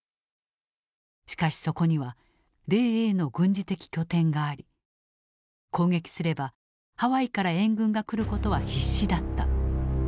しかしそこには米英の軍事的拠点があり攻撃すればハワイから援軍が来ることは必至だった。